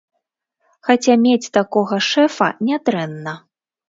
Хаця мець такога шэфа нядрэнна.